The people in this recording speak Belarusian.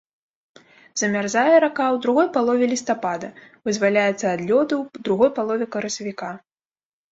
Замярзае рака ў другой палове лістапада, вызваляецца ад лёду ў другой палове красавіка.